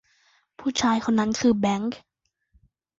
ผู้ชายคนนั้นคือแบงค์